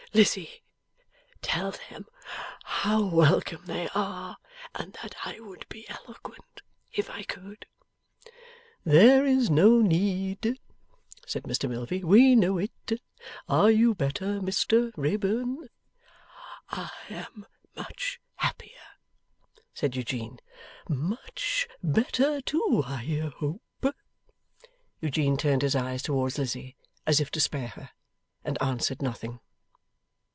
Lizzie, tell them how welcome they are, and that I would be eloquent if I could.' 'There is no need,' said Mr Milvey. 'We know it. Are you better, Mr Wrayburn?' 'I am much happier,' said Eugene. 'Much better too, I hope?' Eugene turned his eyes towards Lizzie, as if to spare her, and answered nothing.